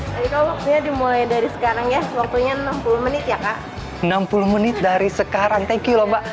tadi kak waktunya dimulai dari sekarang ya waktunya enam puluh menit ya kak enam puluh menit dari sekarang thank you lho mbak